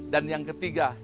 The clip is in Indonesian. dan yang ketiga